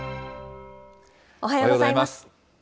おはようございます。